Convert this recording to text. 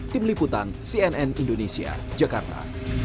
tim liputan cnn indonesia jakarta